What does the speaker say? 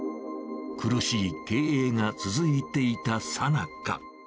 苦しい経営が続いていたさなか。